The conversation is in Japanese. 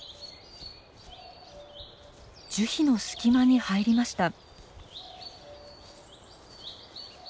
樹皮の隙間に入りました。